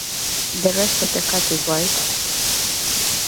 The rest of the cat is white.